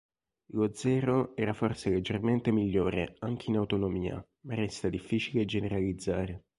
Lo Zero era forse leggermente migliore anche in autonomia, ma resta difficile generalizzare.